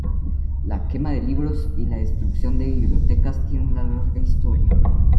La quema de libros y la destrucción de bibliotecas tiene una larga historia.